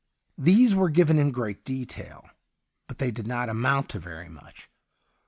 These were given in great detail, but they did not amount to very much.